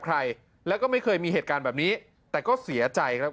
ใครแล้วก็ไม่เคยมีเหตุการณ์แบบนี้แต่ก็เสียใจครับ